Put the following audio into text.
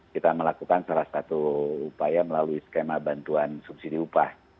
kita melakukan salah satu upaya melalui skema bantuan subsidi upah